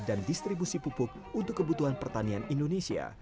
dan distribusi pupuk untuk kebutuhan pertanian indonesia